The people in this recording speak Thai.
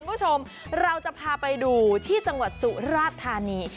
คุณผู้ชมเราจะพาไปดูที่จังหวัดสุราธานี